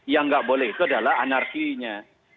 yang nggak boleh itu adalah anarkinya